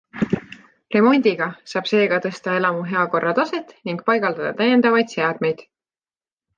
Remondiga saab seega tõsta elamu heakorra taset ning paigaldada täiendavaid seadmeid.